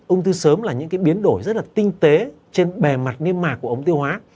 ung thư sớm là những cái biến đổi rất là tinh tế trên bề mặt niêm mạc của ống tiêu hóa